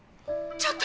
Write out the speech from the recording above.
ちょっと！